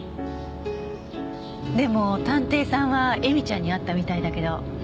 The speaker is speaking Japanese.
でも探偵さんは絵美ちゃんに会ったみたいだけど。